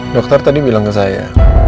dokter tadi bilang ke saya